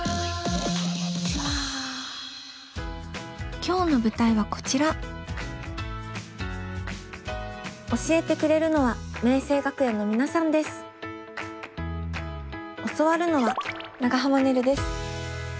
今日の舞台はこちら教えてくれるのは教わるのは長濱ねるです。